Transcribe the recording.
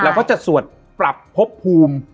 เขาจะสวดปรับพบภูมิ